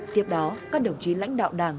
tiếp đó các đồng chí lãnh đạo đảng